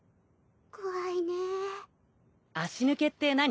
怖いね。